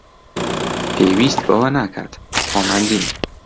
پێویست بەوە ناکات، خۆمان دێین